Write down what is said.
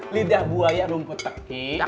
lidah buaya rumput teki